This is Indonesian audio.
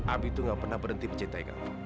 abi itu gak pernah berhenti mencintai kamu